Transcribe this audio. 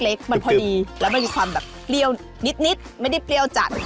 ชิ้นเล็กมันพอดีแล้วก็อยู่ความแบบเปรี้ยวนิดนิดไม่ได้เปรี้ยวจัด